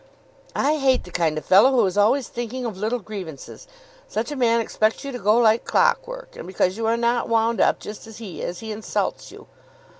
"I hate the kind of fellow who is always thinking of little grievances. Such a man expects you to go like clockwork, and because you are not wound up just as he is, he insults you.